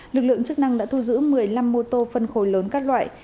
lực lượng chức năng đã thu giữ một mươi năm mô tô phân khối lớn các loại